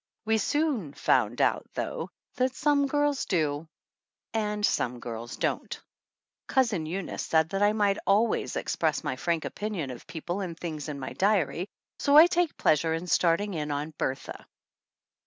We soon found out, though, that some girls do and some don't. Cousin Eunice said I might always express my frank opinion of people and things in my diary, so I take pleasure in starting in on Bertha.